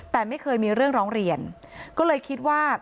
แต่ไม่เคยมีเรื่องร้องเรียนก็เลยคิดว่า